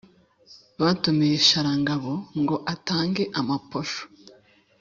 Batumiye Sharangabo, ngo atange amaposho